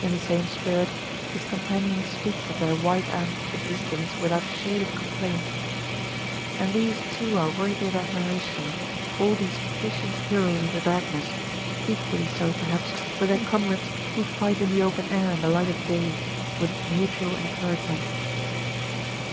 In the same spirit his companions speak of their white ant existence without a shade of complaint. And these, too, are worthy of admiration, all these patient heroes of the darkness, equally so, perhaps, with their comrades who fight in the open air in the light of day, with mutual encouragement.